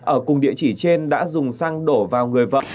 ở cùng địa chỉ trên đã dùng xăng đổ vào người vợ